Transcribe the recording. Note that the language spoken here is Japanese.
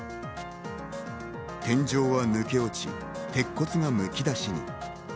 天井は抜け落ち、鉄骨がむき出しに。